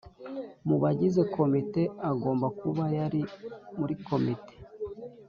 Mu bagize komite agomba kuba yari muri komite